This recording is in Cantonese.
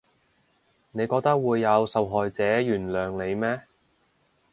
你覺得會有受害者原諒你咩？